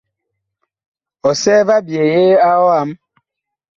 Ɔsɛɛ va ɓyeye a ɔam.